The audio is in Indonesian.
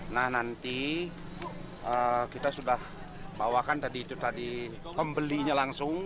nah nanti kita sudah bawakan tadi itu tadi pembelinya langsung